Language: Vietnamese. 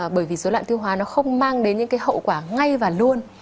bởi vì dối loạn tiêu hóa nó không mang đến những cái hậu quả ngay và luôn